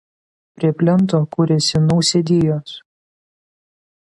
Prie plento kuriasi nausėdijos.